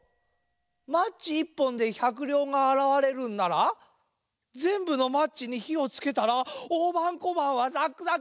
マッチ１ぽんで１００りょうがあらわれるんならぜんぶのマッチにひをつけたらおおばんこばんはザックザク。